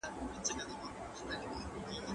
کېدای سي پاکوالی کمزوری وي!.